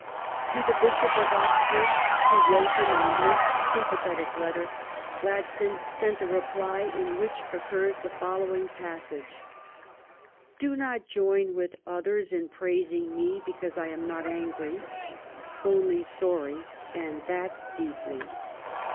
To the Bishop of Oxford, who wrote him a most sympathetic letter, Glad stune sent a reply in whicli (n.( iirs the following passage: "Do not join witli others in praising me because I am not angry, only sorry, and that deeply.